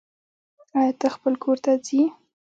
آيا ته خپل کور ته ځي